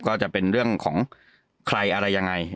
ก็จะเป็นเรื่องของใครอะไรยังไง